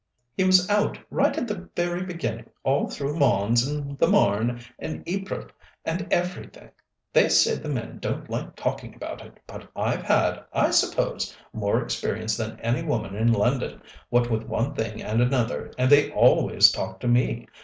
He was out right at the very beginning, all through Mons and the Marne and Ypres and everything. They say the men don't like talking about it; but I've had, I suppose, more experience than any woman in London, what with one thing and another, and they always talk to me.